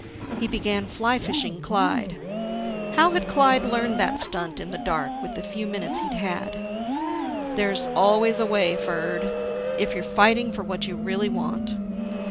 He began fly fishing Clyde: How had Clyde figured that stunt, in the dark, with the few minutes he'd had? "There's always a way, Ferd, if you're fighting for what you really want."